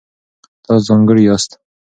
تاسو ځانګړي یاست.